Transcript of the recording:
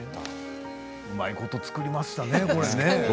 うまいこと作りましたね。